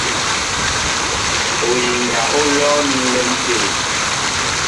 Oyiŋga ó lɔ́ɔ́ mi á ǹlɛ́m tê.